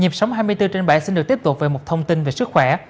nhiệm sống hai mươi bốn trên bảy xin được tiếp tục về một thông tin về sức khỏe